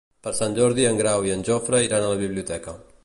Per Sant Jordi en Grau i en Jofre iran a la biblioteca.